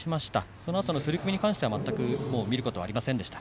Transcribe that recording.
そのあとの取組に関しては全く見ることはありませんでした。